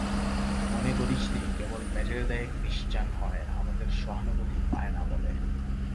মনে করিসনি কেবল পেটের দায়ে ক্রিশ্চান হয়, আমাদের সহানুভূতি পায় না বলে।